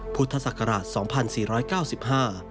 พุทธศักราช๒๔๙๕